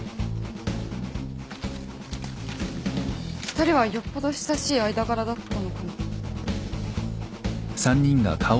２人はよっぽど親しい間柄だったのかな？